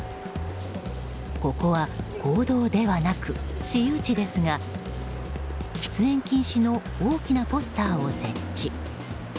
ここは公道ではなく私有地ですが喫煙禁止の大きなポスターを設置。